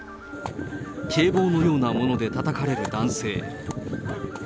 警棒のようなものでたたかれる男性。